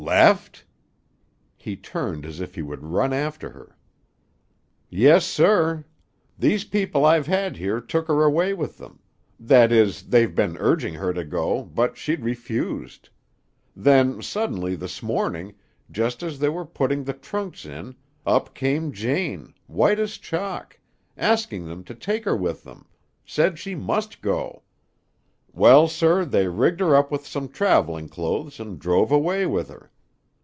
"Left?" He turned as if he would run after her. "Yes, sir. These people I've had here took her away with them. That is, they've been urging her to go, but she'd refused. Then, suddenly, this morning, just as they were putting the trunks in, up came Jane, white as chalk, asking them to take her with them, said she must go. Well, sir, they rigged her up with some traveling clothes and drove away with her.